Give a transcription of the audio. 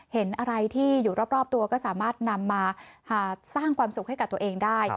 เห็นอะไรที่อยู่รอบตัวก็สามารถนำมาสร้างความสุขให้กับตัวเองได้